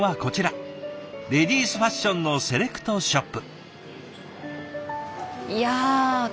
レディースファッションのセレクトショップ。